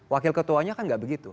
wakil ketuanya kan nggak begitu